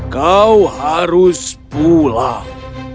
kau harus pulang